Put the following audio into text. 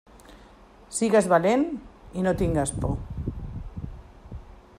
Sigues valent i no tingues por.